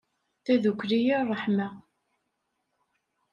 Tadukli i ṛṛeḥma.